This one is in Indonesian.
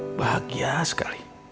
aku bisa lihat dia lagi sama dia